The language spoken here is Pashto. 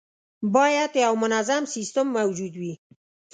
باید یو منظم سیستم موجود وي.